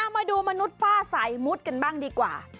มาดูมนุษย์ป้าสายมุดกันบ้างดีกว่า